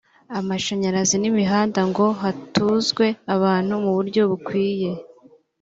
amashanyarazi n’imihanda ngo hatuzwe abantu mu buryo bukwiye